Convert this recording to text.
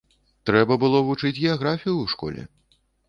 Трэба было вучыць геаграфію ў школе.